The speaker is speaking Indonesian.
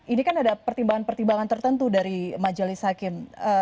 ini kan ada pertimbangan pertimbangan tertentu dari majelis hakim